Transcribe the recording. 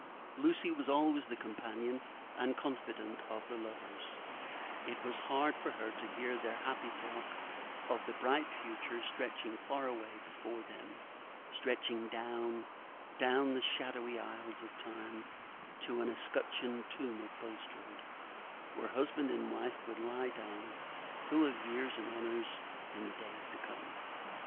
Lucy was always the companion and confidante of the lovers; it was hard for her to hear their happy talk of the bright future stretching far away before them stretching down, down the shadowy aisles of Time, to an escutcheoned tomb at Bulstrode, where husband and wife would lie down, full of years and honors, in the days to come.